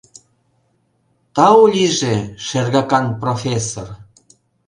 — Тау лийже, шергакан профессор!